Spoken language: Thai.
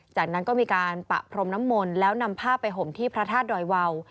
จากนั้นก็มีการปะพรมน้ำมนต์แล้วนำผ้าไปห่มที่พระธาตุดอยวาว